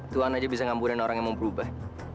tuhan aja bisa ngamburin orang yang mau berubah